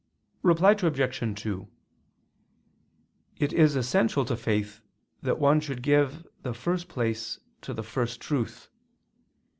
Reply Obj. 2: It is essential to faith that one should give the first place to the First Truth.